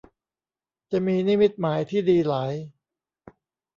จะมีนิมิตหมายที่ดีหลาย